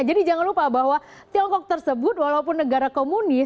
jadi jangan lupa bahwa tiongkok tersebut walaupun negara komunis